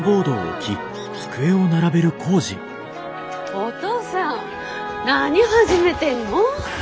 おとうさん何始めてんの？